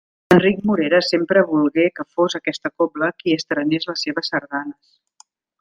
Enric Morera sempre volgué que fos aquesta cobla qui estrenés les seves sardanes.